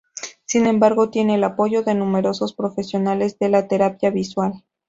Sin embargo, tiene el apoyo de numerosos profesionales de la terapia visual.